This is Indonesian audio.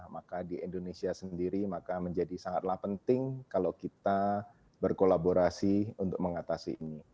maka di indonesia sendiri maka menjadi sangatlah penting kalau kita berkolaborasi untuk mengatasi ini